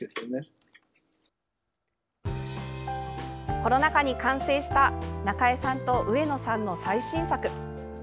コロナ禍に完成したなかえさんと上野さんの最新作。